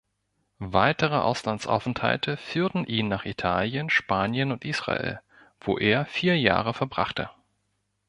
Weitere Auslandsaufenthalte führten ihn nach Italien, Spanien und Israel, wo er vier Jahre verbrachte.